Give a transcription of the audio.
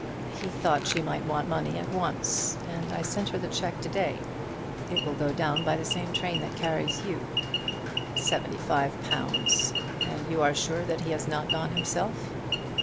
"He thought she might want money at once; and I sent her the cheque to day. It will go down by the same train that carries you." "Seventy five pounds! And you are sure that he has not gone himself?"